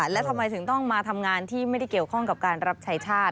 และทำไมถึงต้องมาทำงานที่ไม่ได้เกี่ยวข้องกับการรับใช้ชาติ